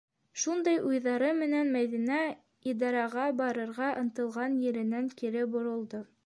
Шундай уйҙары менән Мәҙинә идараға барырға ынтылған еренән кире боролдо.